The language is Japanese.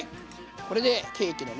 これでケーキのね